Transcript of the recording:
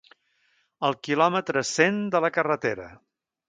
El quilòmetre cent de la carretera.